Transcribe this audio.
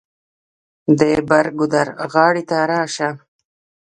د بر ګودر غاړې ته راشه.